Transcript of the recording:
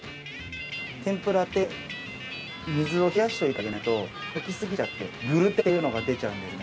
天ぷらって水を冷やしといてあげないと溶きすぎちゃってグルテンっていうのが出ちゃうんですね。